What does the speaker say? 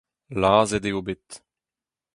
Lazhet eo bet.